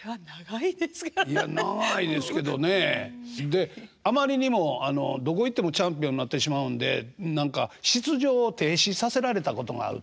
であまりにもどこ行ってもチャンピオンになってしまうんで何か出場を停止させられたことがあるという。